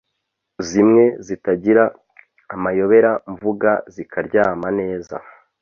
Zimwe zitagira amayobera mvuga zikaryama neza